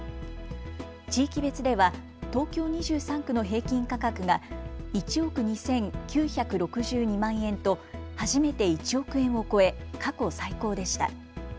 地域別では東京２３区の平均価格が１億２９６２万円と初めて１億円を超え過去最高でした。